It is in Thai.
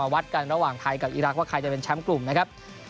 วัดกันระหว่างไทยกับอีรักษ์ว่าใครจะเป็นแชมป์กลุ่มนะครับ